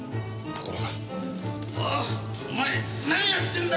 おおお前何やってんだ！？